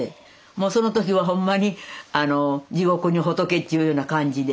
もうその時はほんまに地獄に仏っちゅうような感じでね。